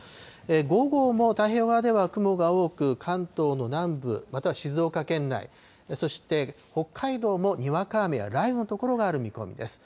午後も太平洋側では雲が多く、関東の南部、または静岡県内、そして北海道もにわか雨や雷雨の所がある見込みです。